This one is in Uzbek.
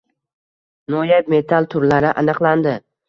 Noyob metall turlari aniqlandi